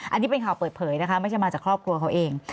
อันนี้เป็นข่าวเปิดเผยนะคะไม่ใช่มาจากครอบครัวเขาเอง